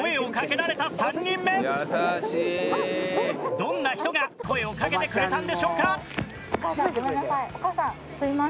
どんな人が声をかけてくれたんでしょうか？